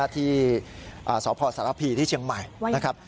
ที่สพสารพีที่เชียงใหม่นะครับ